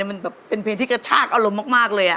มันแบบเป็นเพลงที่กระชากอารมณ์มากเลย